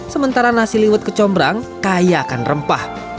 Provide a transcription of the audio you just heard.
sementara nasi liwet kecombrang kaya akan rempah